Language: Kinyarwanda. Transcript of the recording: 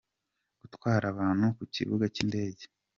Gutwara abantu ku kibuga cy’indege,.